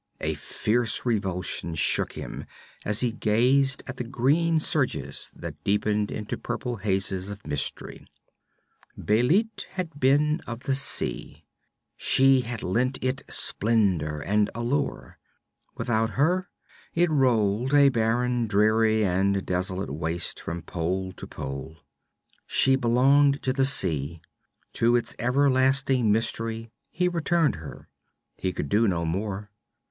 A fierce revulsion shook him as he gazed at the green surges that deepened into purple hazes of mystery. Bêlit had been of the sea; she had lent it splendor and allure. Without her it rolled a barren, dreary and desolate waste from pole to pole. She belonged to the sea; to its everlasting mystery he returned her. He could do no more.